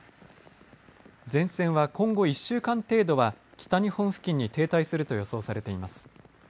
前線は今後１週間程度は北日本付近に停滞すると予想されています。